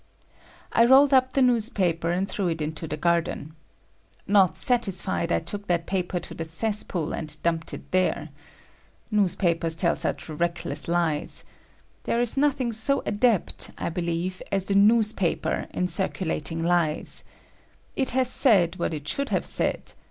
I rolled up the newspaper and threw it into the garden. Not satisfied, I took that paper to the cesspool and dumped it there. Newspapers tell such reckless lies. There is nothing so adept, I believe, as the newspaper in circulating lies. It has said what I should have said.